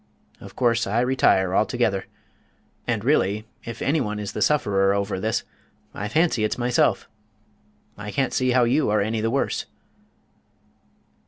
Of course I retire altogether. And really, if any one is the sufferer over this, I fancy it's myself. I can't see how you are any the worse."